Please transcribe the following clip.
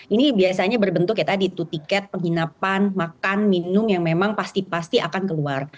ini biasanya berbentuk ya tadi tuh tiket penginapan makan minum yang memang pasti pasti akan keluar